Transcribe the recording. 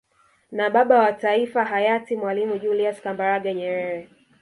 Na Baba wa Taifa hayati Mwalimu Julius Kambarage Nyerere